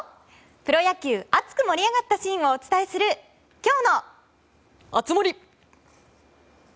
プロ野球熱く盛り上がったシーンをお伝えする、今日の熱盛。